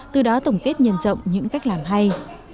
từ đó tổng kết nhân rộng những cách làm hay